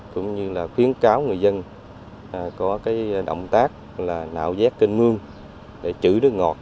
cũng như là khuyến cáo người dân có động tác là nạo vét kênh mương để chữ nước ngọt